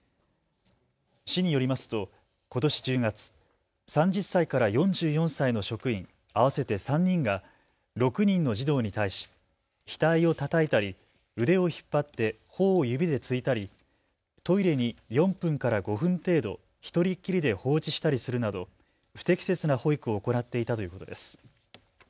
市によりますと、ことし１０月、３０歳から４４歳の職員合わせて３人が６人の児童に対し額をたたいたり腕を引っ張ってほおを指で突いたり、トイレに４分から５分程度１人きりで放置したりするなど不適切な保育を行っていたということです。